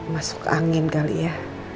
masuk angin kali ya